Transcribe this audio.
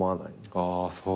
ああそう。